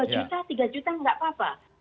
empat juta tiga juta enggak apa apa